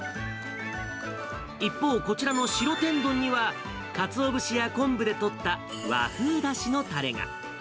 一方、こちらの白天丼には、かつお節や昆布でとった和風だしのたれが。